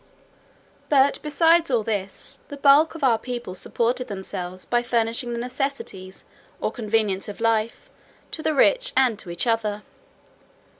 "But beside all this, the bulk of our people supported themselves by furnishing the necessities or conveniences of life to the rich and to each other.